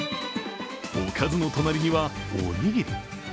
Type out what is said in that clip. おかずの隣には、おにぎり。